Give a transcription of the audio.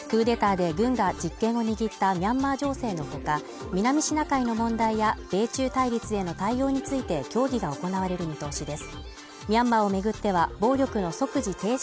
クーデターで軍が実権を握ったミャンマー情勢のほか、南シナ海の問題や米中対立への対応について協議が行われる見通しです。